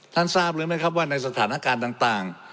ท่านทราบหรือไม่ครับว่าในสถานการณ์ต่าง